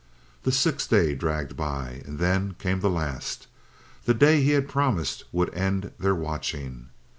The sixth day dragged by, and then came the last the day he had promised would end their watching.